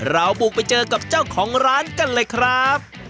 เราบุกไปเจอกับเจ้าของร้านกันเลยครับ